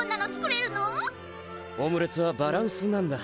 オムレツはバランスなんだ。